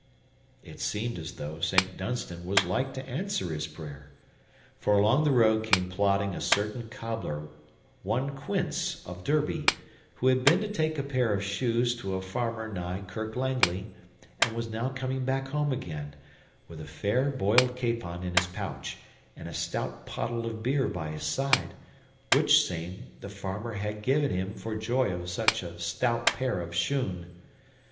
It seemed as though Saint Dunstan was like to answer his prayer, for along the road came plodding a certain cobbler, one Quince, of Derby, who had been to take a pair of shoes to a farmer nigh Kirk Langly, and was now coming back home again, with a fair boiled capon in his pouch and a stout pottle of beer by his side, which same the farmer had given him for joy of such a stout pair of shoon.